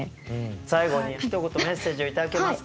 最後にひと言メッセージを頂けますか。